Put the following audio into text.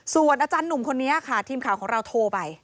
ส่วนอาจารย์หนุ่มคนนี้ค่ะทีมข่าวของเราโทรไป